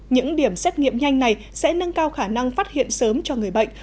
những điểm xét nghiệm nhanh này sẽ nâng cao khả năng phát hiện sớm cho người bệnh